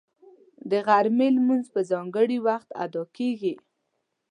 د غرمې لمونځ په ځانګړي وخت ادا کېږي